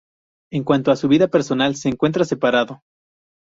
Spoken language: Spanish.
En cuanto a su vida personal se encuentra separado.